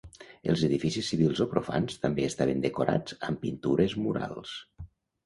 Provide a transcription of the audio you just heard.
Els edificis civils o profans també estaven decorats amb pintures murals.